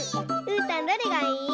うーたんどれがいい？